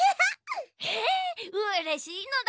えうれしいのだ。